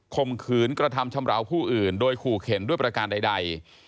มขืนกระทำชำราวผู้อื่นโดยขู่เข็นด้วยประการใด